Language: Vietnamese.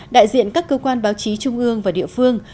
đại diện các cơ quan báo chí trung ương và địa phương